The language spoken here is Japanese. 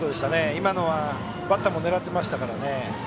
今のはバッターも狙ってましたからね。